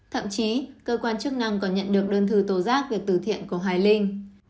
thậm chí cơ quan chức năng còn nhận được đơn thư tổ giác việc từ thiện của hoài linh